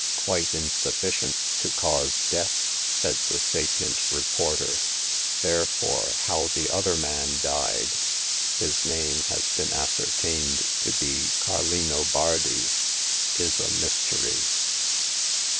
" Quite insufficient to cause death," said the sapient reporter ;therefore, how the other man died — his name has been ascertained to be Carlino Bardi~is a mystery."